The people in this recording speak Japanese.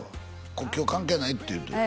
国境関係ないって言ってるええ